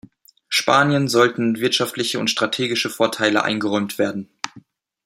Spanien sollten wirtschaftliche und strategische Vorteile eingeräumt werden.